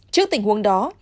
trước tình huống đó